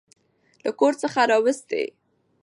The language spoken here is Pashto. له کور څخه راوستې.